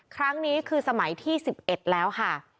ครั้งนี้คือสมัยที่๑๑แล้วค่ะ